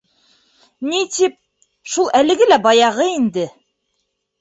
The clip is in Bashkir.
— Ни тип, шул, әлеге лә баяғы инде.